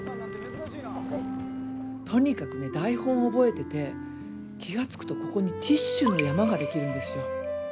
とにかくね台本覚えてて気が付くとここにティッシュの山ができるんですよ。